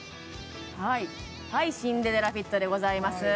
はいシンデレラフィットでございます